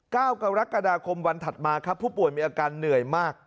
เก้ากรกฎาคมวันถัดมาครับผู้ป่วยมีอาการเหนื่อยมาก